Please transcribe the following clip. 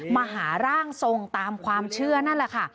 มาหาร่างทรงตามความเชื่อนั่นแหละค่ะ